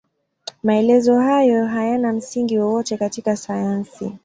Maelezo hayo hayana msingi wowote katika sayansi.